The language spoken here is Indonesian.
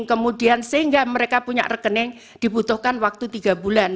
kemudian sehingga mereka punya rekening dibutuhkan waktu tiga bulan